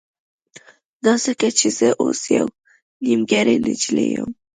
دا ځکه چې زه اوس يوه نيمګړې نجلۍ يم.